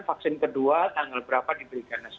vaksin kedua tanggal berapa diberikan